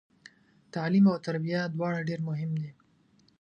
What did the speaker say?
تعلیم او تربیه دواړه ډیر مهم دي